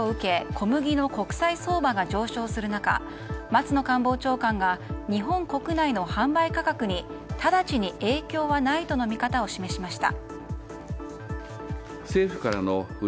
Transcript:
小麦の国際相場が上昇する中松野官房長官が日本国内の販売価格に直ちに影響はないとの見方を示しました。